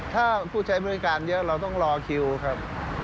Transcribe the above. ถ้าผู้ใช้บริการเยอะเราต้องรอคิวครับ